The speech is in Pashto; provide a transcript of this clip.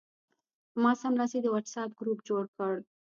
ما سملاسي د وټساپ ګروپ جوړ کړ.